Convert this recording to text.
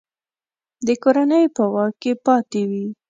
د کورنۍ په واک کې پاته وي.